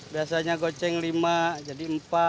biasanya goceng lima jadi empat